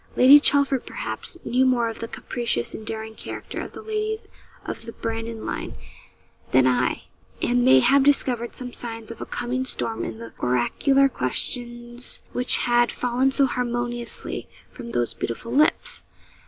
Lady Chelford, perhaps, knew more of the capricious and daring character of the ladies of the Brandon line than I, and may have discovered some signs of a coming storm in the oracular questions which had fallen so harmoniously from those beautiful lips.